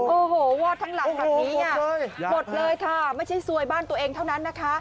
โอ้โหวอดทั้งหลังแบบนี้หมดเลยค่ะไม่ใช่ซวยบ้านตัวเองเท่านั้นนะคะ